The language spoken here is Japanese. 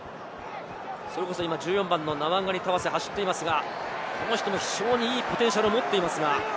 今、１４番のナワンガニタワセが走っていますが、この人も非常にポテンシャルを持っていますが。